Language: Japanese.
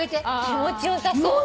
気持ちよさそう。